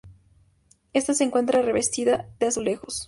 Ésta se encuentra revestida de azulejos.